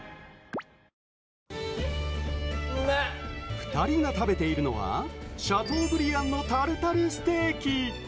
２人が食べているのはシャトーブリアンのタルタルステーキ。